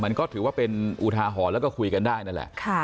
มันก็ถือว่าเป็นอุทาหรณ์แล้วก็คุยกันได้นั่นแหละ